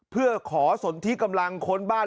เพื่อขอสนที่กำลังค้นบ้าน